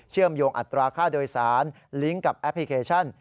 มโยงอัตราค่าโดยสารลิงก์กับแอปพลิเคชัน